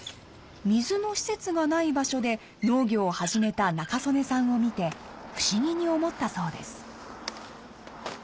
水の施設がない場所で農業を始めた仲宗根さんを見て不思議に思ったそうです。